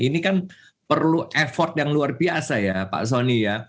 ini kan perlu effort yang luar biasa ya pak soni ya